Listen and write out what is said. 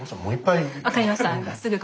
分かりました。